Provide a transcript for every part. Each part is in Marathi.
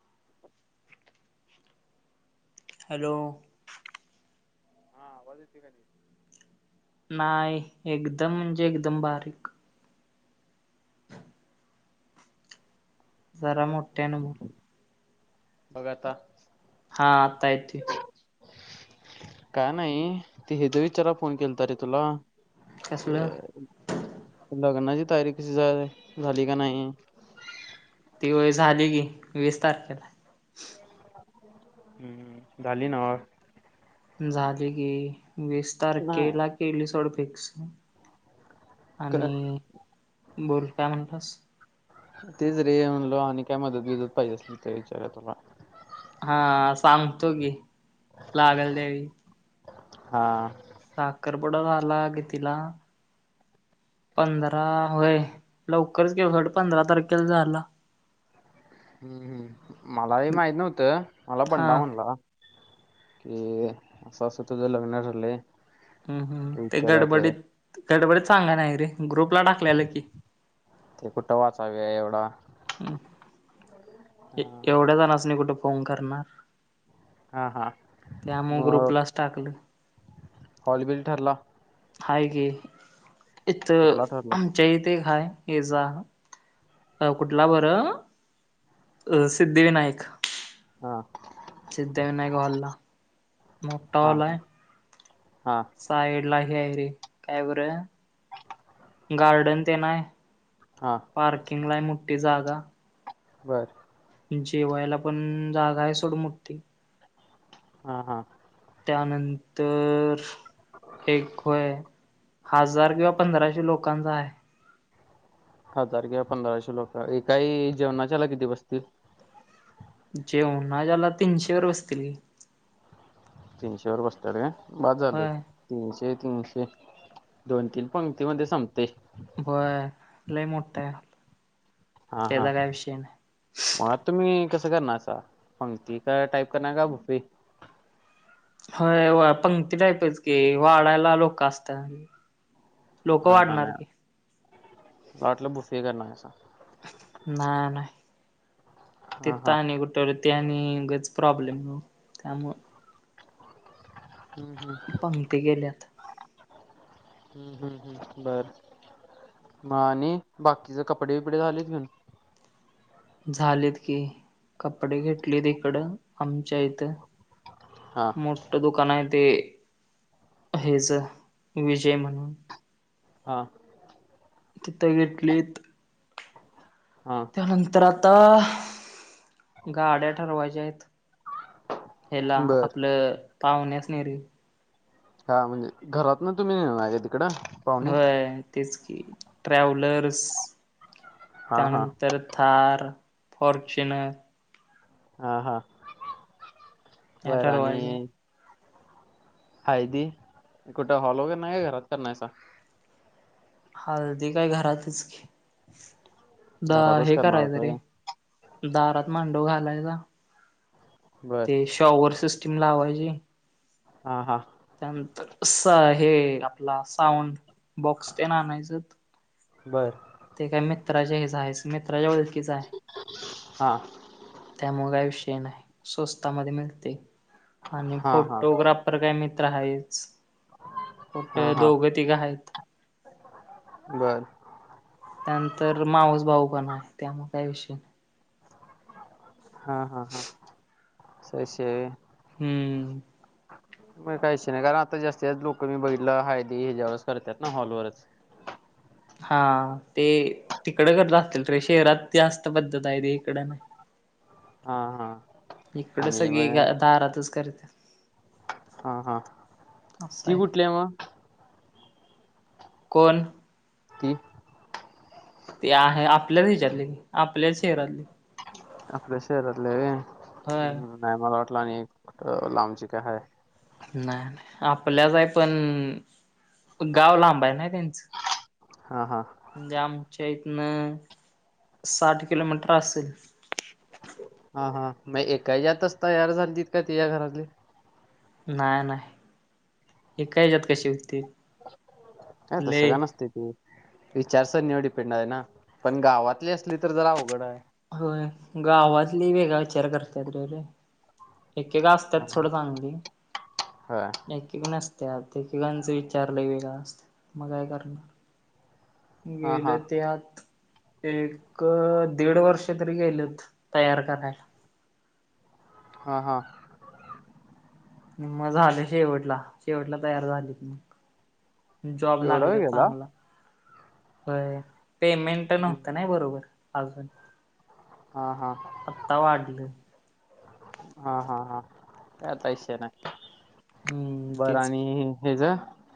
[inaudible] हॅलो. हा आवाज येतोय का निट? नाय एकदम म्हणजे एकदम बारीक. जरा मोठ्यान बोल. बघा आता? हा आता येतोय. काय नाही ते हेच विचाराय फोन केलता रे तुला. कसलं लग्नाची तयारी कशी झा झाली काय नाही? ती होय झाली की वीस तारखेला हाय. [inaudible] हम्म झाली ना मग? झाली की वीस नाही तारखेला केला सोड फिक्स. क आणि बोल काय म्हणलास? तेच रे म्हणलो आणि काय मदत बीदत पाहिजे असली तर विचारुया तुला. हा सांगतो की लागल त्यावेळी. हा. साखरपुुडा झाला कितीला? पंधरा होय लवकरच घे [unintelligible] पंधरा तारखेला झाला. हम्म हम्म. मलाही माहीत नव्हतं मला हा बंडा म्हणला. की असं असं तुझ लग्न ठरलंय. हम्म हम्म. ते विचारूया तर गडबडीत गडबडीत सांगाय नाही रे, ग्रुपला टाकल्यालं की. ते कुठं वाचाय वेळ हाय एवढा. हं एवढ्या जणासनी कुठ फोन करणार. हा हा. त्यामुळं मग ग्रुपलाच टाकलं. हॉल बिल ठरला? हाय की इथ कुठला ठरला? आमच्या इथं एक हाय हेजा अ कुठला बरं अ सिद्धिविनायक. हा. सिद्धिविनायक हॉलला मोठा हा हॉल हा हाय. हा. साईडला हे हाय रे काय बरं गार्डन तेन हाय. हा. पार्किंगला हाय मोठी जागा. बरं. जेवायला पण जागा आहे सोड मोठी. हा, हा. त्यानंतर एक होय हजार किंवा पंधराशे लोकांचा हाय. हजार किंवा पंधराशे लोक, एकाही जेवणाच्याला किती बसतील? जेवणाला तीनशेभर बसतील की. तीनशेभर बसत्यात काय बास झालं. होय, तीनशे तीनशे दोन तीन पंक्तीमध्ये संपतंय. बर लई मोठ आहे. हा, हा. त्याचा काय विषय नाही. मग आता तुम्ही कसं करणारसा पंक्ती का टाईप करणार का बुफे? होय पंक्ती टाईपच की, वाडायला लोक असत्यात. हा हा. नाही मला वाटलं बुफे करनार हायसा. नाय नाय हा तिथं हा आणि कु तरी ते आणि उगच प्रॉब्लेम त्यामुळं हम्म हम्म पंक्ती गेल्यात. हम्म हम्म हम्म बरं. म आणि बाकीचे कपडे बिपडे झालेत घेऊन? झालेत की कपडे घेतलेत इकडं आमच्या इथं. हा मोठं दुकान आहे ते हेजा विजय म्हणून हा तिथं घेतलीत. हा नंतर आता गाड्या ठरवायच्या आहेत. ह्याला बर आपलं पाहुणे असन्यारी. हा म्हणजे घरात ना तुम्हीे माझ्या तिकडं पाहुणे व्हय तेच की ट्रॅव्हलर्स हा हा त्यानंतर थार, फॉर्च्युनर हा हा ह्या बरं आणि ठरवायच्या हळदी कुठं हॉल वगैर नाही का घरात करनायेसा? हळदी काय घरातच की द घरातच हे करणार कराय होता तरीे व्हय दारात मांडव घालायचा बर ते शॉवर सिस्टीम लावायचीे हा हा. त्यानंतर सा हे आपला साऊंड बॉक्स तेन आणायचं. बरं ते काय मित्राचे हेच आहे मित्राच्या ओळखीचा आहे. हा त्यामुळे काय विषय नाय स्वस्तामध्ये मिळते आणि हा हा फोटोग्रा फर काय मित्र आहे कुठं दोघं तिघं आहेत. बरं त्यानंतर मावज भाऊ पण आहे त्यामुळं काय विषय हा हा हा सही शे हम्म. ह मग काहीशी नाही कारण आता जास्त जास्त लोकं मी बघलं हळदी ह्याजे वरच करतेतना हॉलवरच. हा ते तिकडं करत असतील रे शहरात जास्त पद्धत आहे त इकडं नाही. हा हा. इकडें आणि सगळी ग मग दारातचं करते. हा हा ती कुठली आहे मग? कोण ती ते आहे आपल्याच हेच्यातले आपल्याच शरातली. आपले शहरातले आहे होय नाही मला वाटलं आणि लांबची काय हाय. नाय नाय आपल्याच आहे पण गाव लांबा आहे ना त्यांचं. हा हा. म्हणजे आमच्या इथनं साठ किलोमीटर असेल. हा हा मग एका यातच तयार झालीत का तिज्या घरातले? नाय नाय एका हच्यात कशी होतील? आता सगळ्या नाचते की. विचारसरणीवर डिपेंड आहे ना पण गावातली असली तर जरा अवघडं आहे. हो गावातली वेगळा विचार करत्यात रे रे. एकेका असतात थोड चांगली हा एक-एक नस त्यात एक एकांचा विचार लई वेगळ असतं मग काय करणं. हा गेलं हा ते आत. एक दीड वर्ष तरी गेलेत तयार करायला. हां हां. म झालं शेवटला शेवटला तयार झालीत मग. जॉब एवढा वेळ लागले गेला चांगला होय पेमें ट नव्हतं नाय बरोबर अजून हा हा. आता वाढलं. हा हा हा काय आता विषय नाय. हम्म बरं तेच की आणि हेजा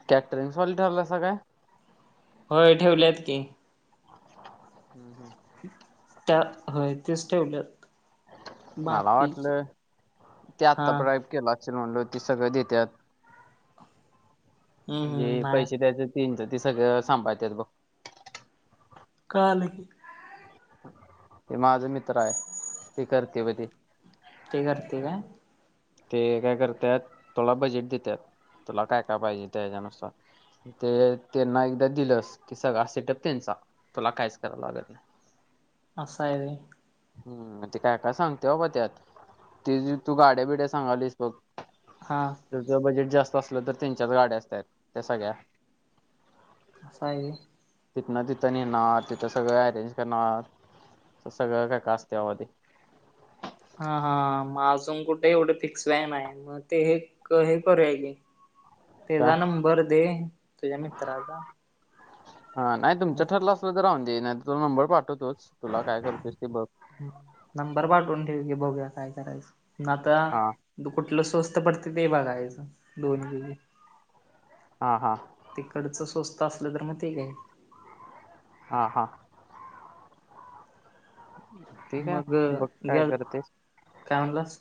कॅटरिंगस वाली ठरलंसं काय? होय ठेवल्यात की. हम्म हम्म. त्या होय तेच ठेवलं. मला वाटलं ते आता हा ब्राइप केलं असेल म्हणल ते सगळं देत्यात हम्म हम्म म्हणजे नाही पैशे देयायचा तीनचा ते सगळं सांभाळतेत बघ. काय आलं की ते माझं मित्र आहे ते करते ब ते. ते करते काय? ते काय करत्यात तुला बजेट देतात तुला काय काय पाहिजे त्याच्यानुसार. ते त्यांना एकदा दिलंस की सगळा सेटअप त्यांचा तुला कायच कराव लागत नाही. [inaudible] असा आहे रे. हम्म ते काय काय सांगते बाबा त्यात ते तू गाड्या बिड्या सांगालीस बघ हां. तुझं बजेट जास्त असलं तर त्यांनच्याच गाड्या असतात त्या सगळ्या. असायाले तिथनं तिथं नेणार तिथं सगळं अरेंज करणार सगळं काय कास्तयावधी. हा हा म अजून कुठे एवढे फिक्स वय नाय म ते हे क हे करुयाली काय तेजा नंबर दे तुझ्या मित्राचा. हा नाही मग तुमच्या ठरला अस तो तर राहून दे नाही तु नंबर पाठवतोच तुला काय करतोस ते बघ. हम्म नंबर पाठवून ठेव की बघू या काय करायच आता. हा तु कुठलं स्वस्त पडते ते बघायचं दोन वी. हा हा तिकडचं स्वस्त असलं तर मग ते घे हा हा. ठीक मग आहे बघ काय घ्याल करतेस. काय म्हणलास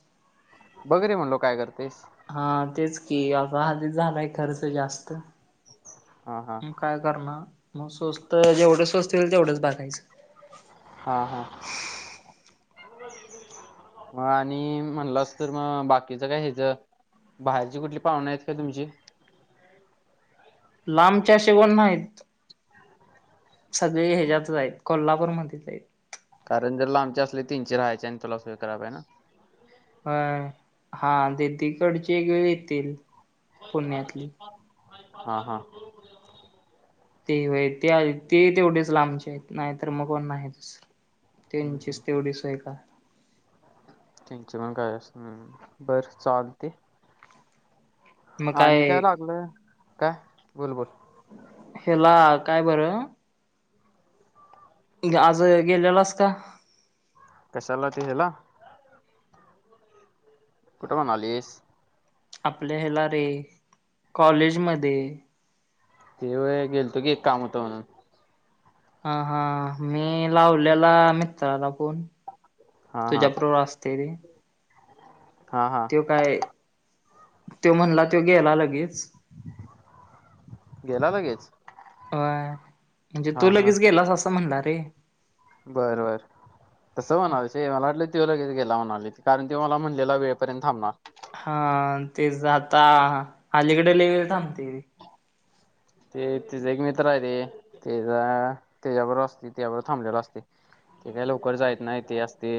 बघ रे म्हणलो काय करतेस. हा तेच की असा हाधी झालाय खर्च जास्त हा हा काय कारणं मग स्वस्त जेवढे स्वस्त येईल तेवढंच बघायचं. हा हा. म आणि म्हणलं अस तर मग बाकीचा काय ह्याजा बाहेरची कुठली पाहुणे आहेत का तुमची? लांबच्या शेवण माहीत. सगळे ह्याच्यात आहेत कोल्हापूरमध्येच आहेत. कारण जर लांबचे असले तीनचे राहायचे आणि तुला सोय कराव्या ना. होय हा दीदीकडचे यो येतील. पुण्यातली हा हा. ते व्हय ते आहे ते तेवढेच लांबचे आहेत नाही तर मग कोण नाहीच. त्यंचीच तेवढी सोय का? त्यांचे पण काय अस हं बर चालते. आणि काय लागलं काय बोल बोल. हेला काय बरं आज गेलेलास का? कशाला ते हेला? कुठं म्हणालीस? आपले हेला रे कॉलेजमध्ये ते होय गेलतो की एक काम होतं म्हणून. हा हा मी लावलेला मित्राला फोन. तुझ्या बरोबर अ तेरी हा, हा. त्यो काय त्यो म्हणला त्यो गेला लगेच. गेला लगेच? होय. म्हणजे तू हां लगेच गेलास असं म्हणला रे. बर, बर. तसं म्हणालायस होय, मला वाटल त्यो लगेच गेला म्हणालोय, कारण त्यो मला म्हणलेला वेळपर्यंत थांबणार. हा तेच आता अलीकडे लई वेळ थांबतय ते. ते तिजा एक मित्र आहे रे तेजा तेज्याबरोबर असतोय तेज्याबरोबर थांबलेला असतोय. ते काय लवकर जायत नाही ते असते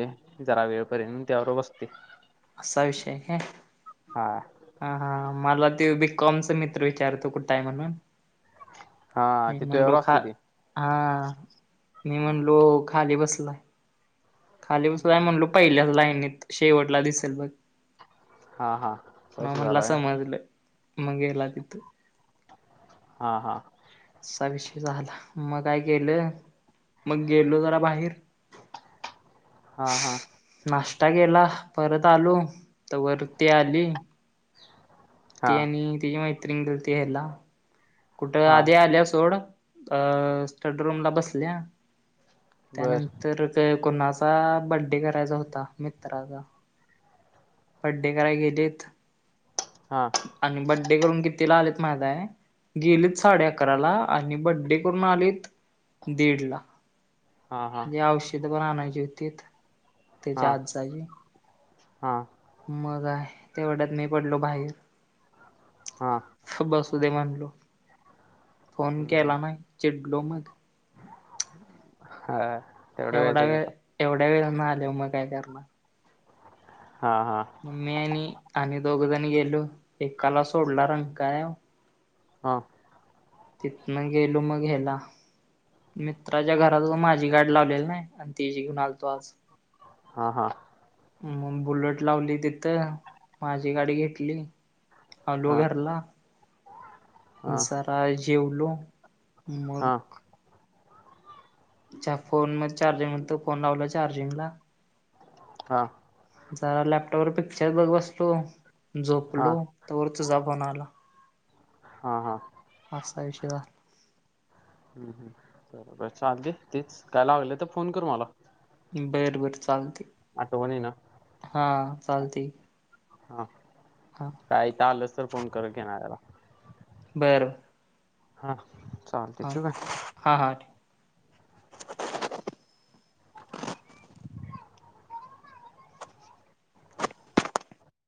जरा वेळपर्यंत त्याबरोबर बसतोय. असा विषय हाय काय? हा. हा हा मला ते बीकॉमच मित्र विचारतो कुठ आहे म्हणून. हा मी ती म्हणलो तुझ्याबरोबर खा असते ती हा मी हा म्हणलो खाली बसलाय. खाली बसलाय म्हणलो पहिल्याच लाईनत शेवटला दिसेल बघ. हा, हा. मग तशी म्हणला झाला व्हय समजलं, मग गेला तिथं. हा हा असा विषय झाला, मग काय गेलं मग गेलो जरा बाहेर. हा, हा. नाश्ता केेला, परत आलो तवर ती आली. ती हा आणि तिची मैत्रिण गेलती ह्यला कुठं हा आधी आल्या सोड, अ स्टडी रूमला बसल्या. बर त्यानंतर कोणाचा बड्डे करायचा होता मित्राचा. बड्डे करायला गेलीत. हा. आणि बड्डे करून कितीला आलेत माहित हाय? गेलीत साडे अकराला आणि बड्डे करून आलीत दीडला. हा हा म्हणजे आवशी तेथे पण आणायची होतीत तिच्या हा आजाची. हा. मग काय तेवढ्यात मी पडलो बाहीर. हा. बसून दे म्हणलो. फोन हम्म हम्म केला नाही चिडलो मग. हा. तेवढं वेळच एवढा की वेळ आता एवढ्या वेळानं आल्यावर मग काय करणार. हा, हा. मग मी आणि आणि दोघजण गेलो. एकाला सोडला रंकाळ्यावर. हा. तिथनं गेलो मग घ्याला. मित्राच्या घरात माझी गाडी लावलेली नाही आणि ती जी घेऊन आलतो आज. हा, हा. मग बुलट लावली तिथं, माझी गाडी घेतली, आलो हा घरला. हा जरा जेवलो मग हा चा फोन मध्ये चार्जिंग होत फोन लावला चार्जिंग ला. हा. जरा लॅपटॉपवर पिक्चर बघ बसतो, हा झोपलो तो वर तुझा फोन आला. हा हा. असं ही विषय. [unintelligible] हम्म हम्म बरोबर हेच्या अगदी तीच काय लावलं तर फोन कर मला. बरं बरं चालते. आठवणी ना. हा चालती. हा. हा. काही तर आलंच तर फोन कर की येणार याला. बरं. हा चालते ठेवू काय? हा हां ठेव.